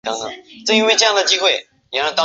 李叔平先生自五十年代起从事美术创作。